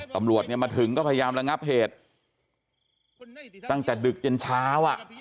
ตำรวจเนี่ยมาถึงก็พยายามระงับเหตุตั้งแต่ดึกจนเช้าอ่ะ